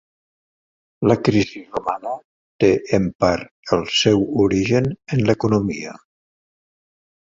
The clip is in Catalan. La crisi romana té en part el seu origen en l'economia.